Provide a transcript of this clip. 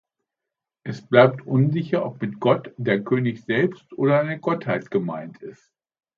Es bleibt unsicher, ob mit „Gott“ der König selbst oder eine Gottheit gemeint ist.